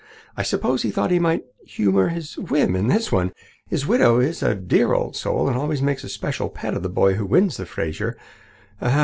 I suppose he thought he might humour his whim in one. His widow is a dear old soul, and always makes a special pet of the boy who wins the Fraser.